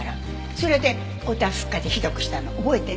それでおたふく風邪ひどくしたの覚えてない？